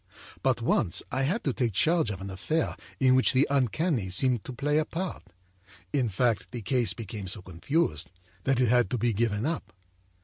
But once I had to take charge of an affair in which the uncanny seemed to play a part. In fact, the case became so confused that it had to be given up.